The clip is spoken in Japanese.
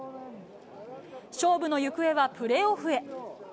勝負の行方はプレーオフへ。